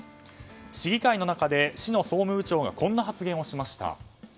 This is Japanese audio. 市議会の中で市の総務部長がこんな発言をしました。